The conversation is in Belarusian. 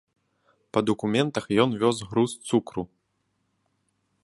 Па дакументах ён вёз груз цукру.